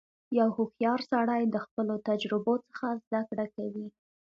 • یو هوښیار سړی د خپلو تجربو څخه زدهکړه کوي.